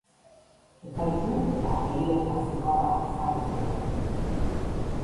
Epaitu eta heriotza zigorra ezarri zioten.